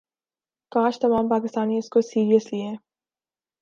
کاش تمام پاکستانی اس کو سیرس لیے